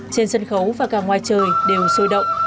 trên sân khấu và cả ngoài trời đều sôi động